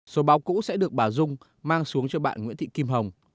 số báo cũ sẽ được bà dung mang xuống cho bạn nguyễn thị kim hồng